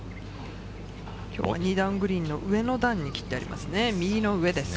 今日は２段グリーンの上の段に切ってあります。